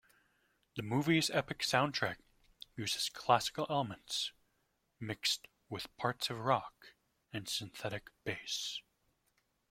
The movie's epic soundtrack uses classical elements mixed with parts of rock and synthetic bass.